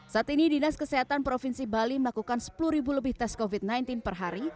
saat ini dinas kesehatan provinsi bali melakukan sepuluh lebih tes covid sembilan belas per hari